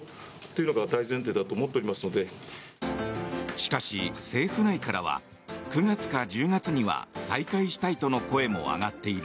しかし、政府内からは９月か１０月には再開したいとの声も上がっている。